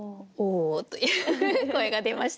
「お」という声が出ましたが。